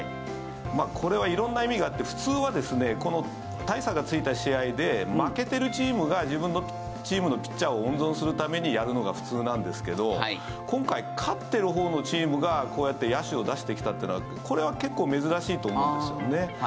これは色んな意味があって普通は大差がついた試合で負けてるチームが自分のチームのピッチャーを温存するためにやるのが普通なんですけど今回、勝ってるほうのチームがこうやって野手を出してきたというのはこれは結構珍しいと思うんですよね。